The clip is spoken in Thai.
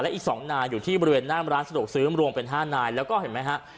อีก๒นายอยู่ที่บริเวณหน้ามร้านสะดวกซื้อรวมเป็น๕นายแล้วก็เห็นไหมฮะ